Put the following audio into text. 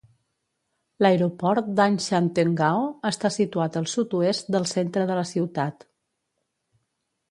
L'aeroport d'Anshan Teng'ao està situat al sud-oest del centre de la ciutat.